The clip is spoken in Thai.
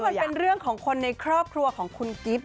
มันเป็นเรื่องของคนในครอบครัวของคุณกิฟต์